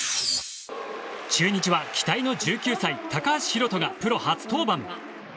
中日は期待の１９歳高橋宏斗がプロ初登板。